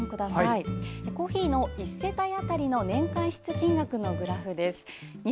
コーヒーの１世帯あたりの年間支出金額のグラフです。